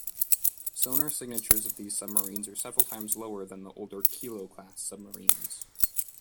Sonar signatures of these submarines are several times lower than the older Kilo-class submarines.